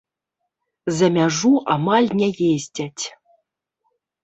За мяжу амаль не ездзяць.